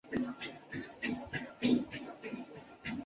对杜兰身份的了解大多出自于杜兰的自述。